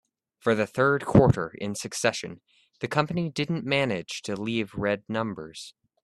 For the third quarter in succession, the company didn't manage to leave red numbers.